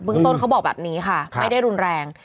ต้นเขาบอกแบบนี้ค่ะไม่ได้รุนแรง